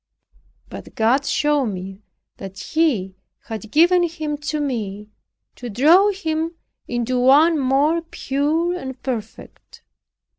But God showed me, that He had given him to me, to draw him into one more pure and perfect.